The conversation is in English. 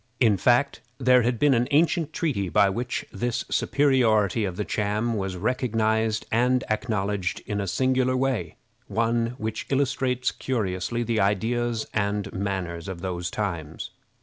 In fact, there had been an ancient treaty by which this superiority of the Cham was recognized and acknowledged in a singular way one which illustrates curiously the ideas and manners of those times.